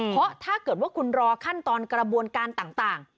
เพราะถ้าเกิดว่าคุณรอขั้นตอนกระบวนการต่าง